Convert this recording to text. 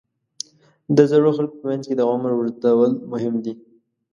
د زړو خلکو په منځ کې د عمر اوږدول مهم دي.